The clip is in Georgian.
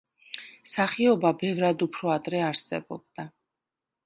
სახიობა ბევრად უფრო ადრე არსებობდა.